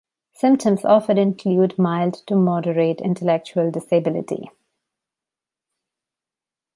Symptoms often include mild to moderate intellectual disability.